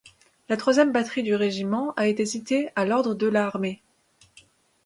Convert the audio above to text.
La troisième batterie du régiment a été citée à l'ordre de la armée.